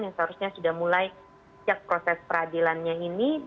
yang seharusnya sudah mulai sejak proses peradilannya ini